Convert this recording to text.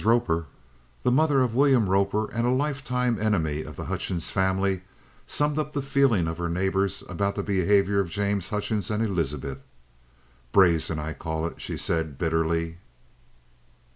Roper, the mother of William Roper and a lifelong enemy of the Hutchings family, summed up the feeling of her neighbours about the behaviour of James Hutchings and Elizabeth. "Brazen, I call it," she said bitterly.